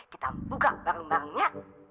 kita buka bangun bangunnya